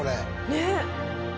ねっ。